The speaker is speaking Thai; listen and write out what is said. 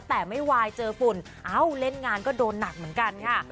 แต่ไม่วายเจอฝุ่นเอ้าเล่นงานก็โดนหนักเหมือนกันค่ะ